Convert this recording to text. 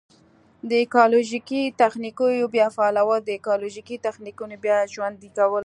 د ایکولوژیکي تخنیکونو بیا فعالول: د ایکولوژیکي تخنیکونو بیا ژوندي کول.